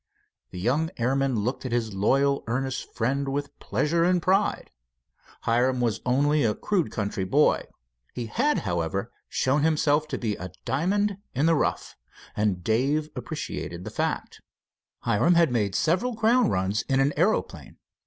The young airman looked at his loyal, earnest friend with pleasure and pride. Hiram was only a crude country boy. He had, however, shown diamond in the rough, and Dave appreciated the fact. Hiram had made several ground runs in an aeroplane.